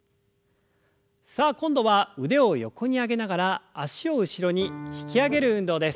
さあ今度は腕を横に上げながら脚を後ろに引き上げる運動です。